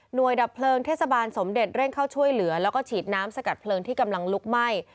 โดยดับเพลิงเทศบาลสมเด็จเร่งเข้าช่วยเหลือแล้วก็ฉีดน้ำสกัดเพลิงที่กำลังลุกไหม้